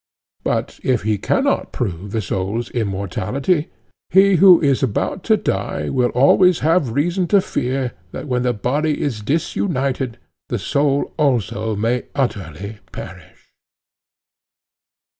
But if he cannot prove the soul's immortality, he who is about to die will always have reason to fear that when the body is disunited, the soul also may utterly perish.